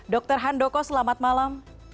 dokter handoko selamat malam